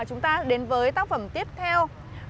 chúng ta đến với tác phẩm tiếp theo